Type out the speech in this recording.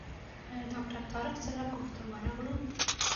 له ډاکټر طارق سره کور ته ورغلو.